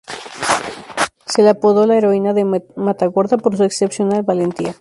Se le apodó la Heroína de Matagorda, por su excepcional valentía.